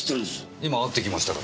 今会ってきましたから。